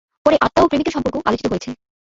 পরে আত্মা ও প্রেমিকের সম্পর্ক আলোচিত হয়েছে।